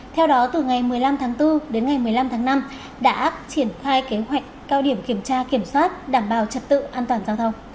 theo đó từ ngày một mươi năm tháng bốn đến ngày một mươi năm tháng năm đã triển khai kế hoạch cao điểm kiểm tra kiểm soát đảm bảo trật tự an toàn giao thông